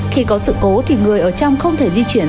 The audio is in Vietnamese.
khi có sự cố thì người ở trong không thể di chuyển